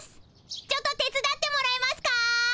ちょっと手つだってもらえますか？